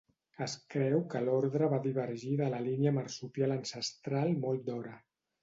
Es creu que l'ordre va divergir de la línia marsupial ancestral molt d'hora.